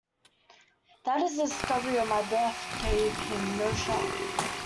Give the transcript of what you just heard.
That the discovery of my birth gave him no shock.